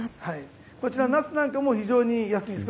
こちらのナスなんかも非常に安いです。